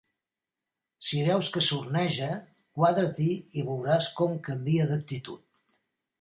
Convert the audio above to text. Si veus que sorneja, quadra-t'hi i veuràs com canvia d'actitud.